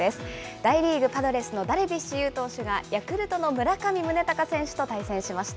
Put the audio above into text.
大リーグ・パドレスのダルビッシュ有投手がヤクルトの村上宗隆選手と対戦しました。